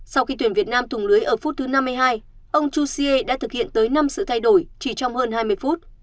sau khi tuyển việt nam thùng lưới ở phút thứ năm mươi hai ông jose đã thực hiện tới năm sự thay đổi chỉ trong hơn hai mươi phút